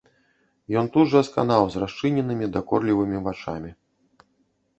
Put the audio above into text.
Ён тут жа і сканаў з расчыненымі дакорлівымі вачамі.